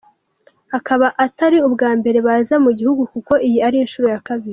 Akaba atari ubwa mbere baza mu gihugu kuko iyi ari inshuro ya kabiri.